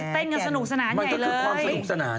เต้นกันสนุกสนานใหญ่เลย